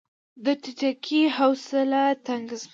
د ټيټکي حوصله تنګه شوه.